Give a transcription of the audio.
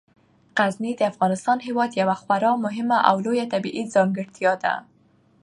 غزني د افغانستان هیواد یوه خورا مهمه او لویه طبیعي ځانګړتیا ده.